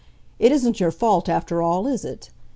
It isn't your fault, after all, is it?